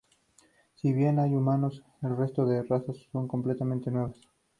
Si bien hay humanos, el resto de razas son completamente nuevas.